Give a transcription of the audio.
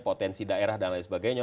potensi daerah dan lain sebagainya